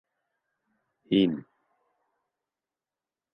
- Һин!